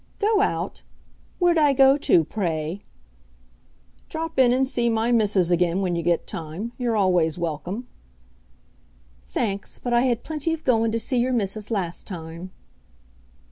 "Go out! Where 'ud I go to, pray?" "Drop in an' see my missus again when you git time. You're always welcome." "Thanks, but I had plenty of goin' to see your missus last time."